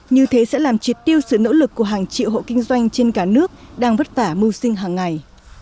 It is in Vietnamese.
như thế sẽ làm triệt tiêu sự nỗ lực của hàng triệu hộ kinh doanh trên cả nước đang vất vả mưu sinh hàng ngày